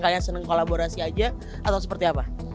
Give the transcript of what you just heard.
kayak seneng kolaborasi aja atau seperti apa